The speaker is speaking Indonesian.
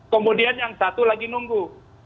kemudian yang satu lagi nunggu